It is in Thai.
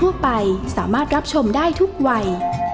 แม่บ้านประจัญบาล